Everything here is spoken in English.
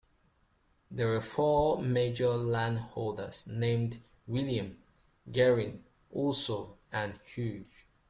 There were four major landholders named William, Gerin, Urso and Hugh.